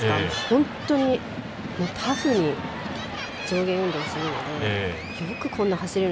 本当にタフに上下運動をするのでよくこんな走れる。